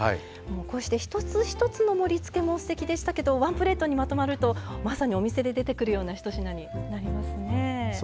こうして一つ一つの盛りつけもすてきでしたけどワンプレートにまとまるとまさにお店で出てくるような一品になりますね。